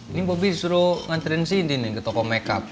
ini bopi disuruh ngantriin sini nih ke toko make up